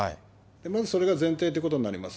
まずそれが前提ということになります。